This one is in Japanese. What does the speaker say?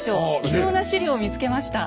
貴重な史料を見つけました。